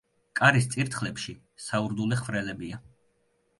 კარის წირთხლებში საურდულე ხვრელებია.